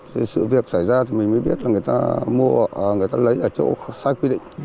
thì sự việc xảy ra thì mình mới biết là người ta mua người ta lấy ở chỗ sai quy định